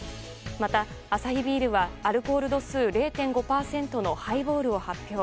また、アサヒビールはアルコール度数０．５％のハイボールを発表。